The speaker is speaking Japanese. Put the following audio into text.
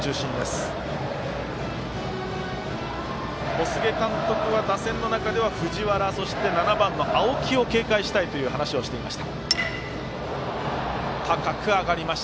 小菅監督は打席の中では藤原、７番の青木を警戒したいという話をしていました。